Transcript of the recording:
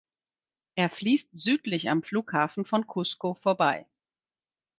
Er fließt südlich am Flughafen von Cusco vorbei.